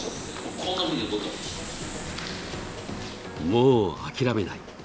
もう諦めない。